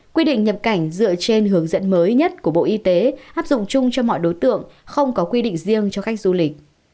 quy định nhập cảnh dựa trên hướng dẫn mới nhất của bộ y tế áp dụng chung cho mọi đối tượng không có quy định riêng cho khách du lịch